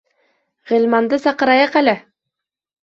— Ғилманды саҡырайыҡ әле!